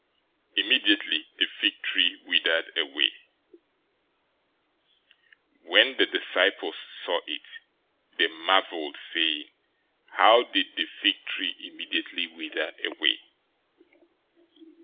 Immediately the fig tree withered away. 021:020 When the disciples saw it, they marveled, saying, "How did the fig tree immediately wither away?"